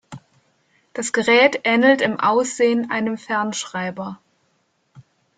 Das Gerät ähnelt im Aussehen einem Fernschreiber.